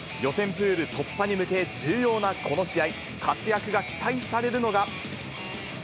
プール突破に向け、重要なこの試合、活躍が期待されるのが。